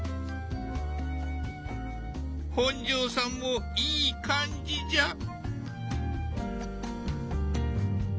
本上さんもいい感じじゃ。